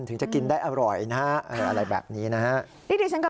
ถึงจะกินได้อร่อยนะฮะอะไรแบบนี้นะฮะ